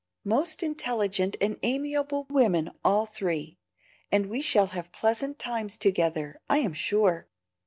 "Most intelligent and amiable women all three, and we shall have pleasant times together, I am sure.